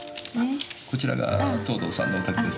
こちらが藤堂さんのお宅ですね。